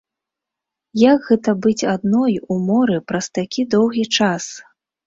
Як гэта быць адной у моры праз такі доўгі час?